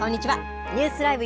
ニュースＬＩＶＥ！